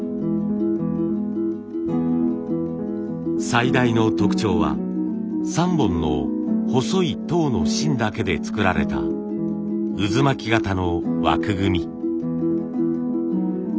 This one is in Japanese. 最大の特徴は３本の細い籐の芯だけで作られた渦巻き型の枠組み。